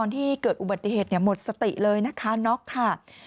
ที่เกิดอุบัติเหตุหมดสติเลยนะคะน็อกค่ะ